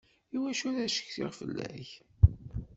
Iwacu ara ccetkiɣ fella-k?